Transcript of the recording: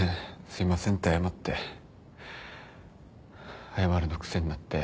すいませんって謝って謝るの癖になって。